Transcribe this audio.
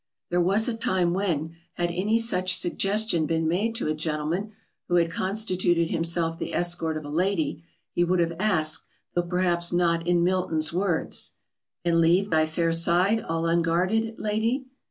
] There was a time when, had any such suggestion been made to a gentleman who had constituted himself the escort of a lady, he would have asked, though perhaps not in Milton's words "And leave thy fair side all unguarded, lady?"